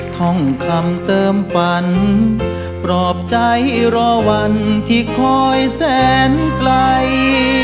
ท่องคำเติมฝันปลอบใจรอวันที่คอยแสนไกล